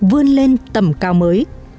vươn lên tầm cao mới